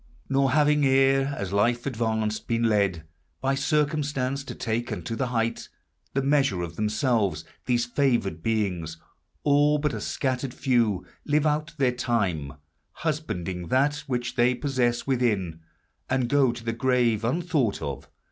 Nor having e'er, as life advanced, been led By circumstance to take unto the height The measure of themselves, these favored beings, All but a scattered few, live out their time, Husbanding that which they possess within, And go to the grave, unthought of.